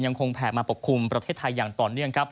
ยังคงแผลมาปกคลุมประเทศไทยอย่างตอนนี้